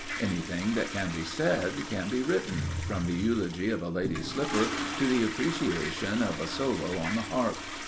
Anything that can be said can be written, from the eulogy of a lady's slipper to the appreciation of a solo on the harp.